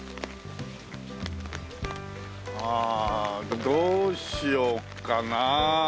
ああどうしよっかなあ？